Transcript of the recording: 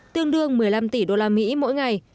tương đương một mươi năm tỷ usd mỗi ngày